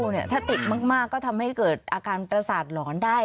ถ้าติดมากก็ทำให้เกิดอาการประสาทหลอนได้